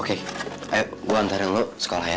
oke ayo gue antarin lu sekolah ya